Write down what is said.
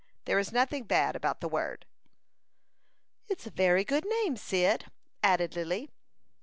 There is nothing bad about the word." "It's a very good name, Cyd," added Lily.